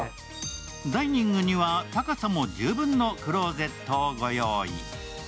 ダイニングには高さも十分のクローゼットをご用意。